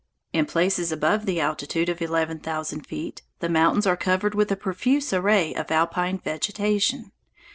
In places above the altitude of eleven thousand feet the mountains are covered with a profuse array of alpine vegetation.